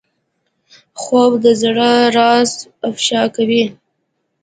خوب د زړه راز افشا کوي